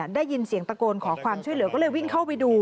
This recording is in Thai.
ได้ยินเสียงตะโกนขอความช่วยเหลือก็เลยวิ่งเข้าไปดู